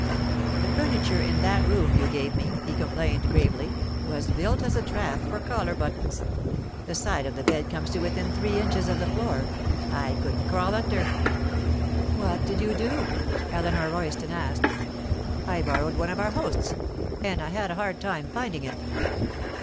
'The furniture in that room you gave me,' he complained gravely, 'was built as a trap for collar buttons. The side of the bed comes to within three inches of the floor—I couldn't crawl under.' 'What did you do?' Eleanor Royston asked. 'I borrowed one of our host's—and I had a hard time finding it.